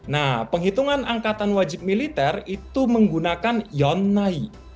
nah penghitungan angkatan wajib militer itu menggunakan yonnai